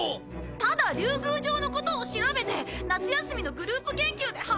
ただ竜宮城のことを調べて夏休みのグループ研究で発表するだけです！